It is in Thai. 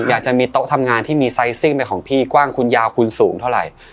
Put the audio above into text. อยากจะมีโต๊ะทำงานที่มีไซซิ่งเป็นของพี่กว้างคุณยาวคุณสูงเท่าไหร่